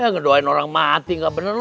ngedoain orang mati gak bener lu